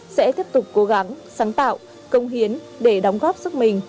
sẽ tiếp tục cố gắng sáng tạo công hiến để đóng góp sức mình